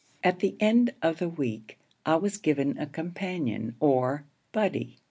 At the end of the week I was given a companion, or 'buddy.'